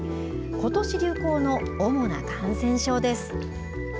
ことし流行の主な感染症です。